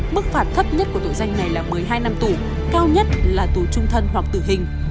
mức phạt thấp nhất của tội danh này là một mươi hai năm tù cao nhất là tù trung thân hoặc tử hình